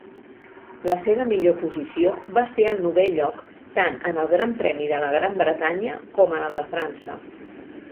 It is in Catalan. La seva millor posició va ser el novè lloc tant en el Gran Premi de la Gran Bretanya com en el de França.